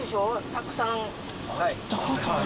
たくさん。